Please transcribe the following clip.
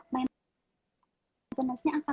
maintenance nya akan